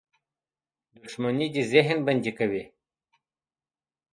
• دښمني د ذهن بندي کوي.